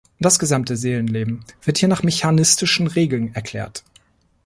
Das gesamte Seelenleben wird hier nach mechanistischen Regeln erklärt.